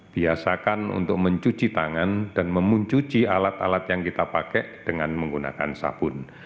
biasakan untuk mencuci tangan dan memuncuci alat alat yang kita pakai dengan menggunakan sabun